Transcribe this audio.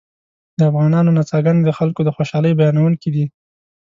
د افغانانو نڅاګانې د خلکو د خوشحالۍ بیانوونکې دي